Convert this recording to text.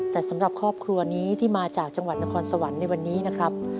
แต่สำหรับครอบครัวนี้ที่มาจากจังหวัดนครสวรรค์ในวันนี้นะครับ